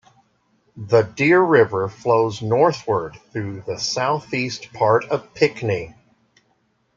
The Deer River flows northward through the southeast part of Pinckney.